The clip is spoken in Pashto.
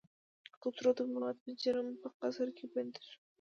خسرو د بغاوت په جرم په قصر کې بندي شو.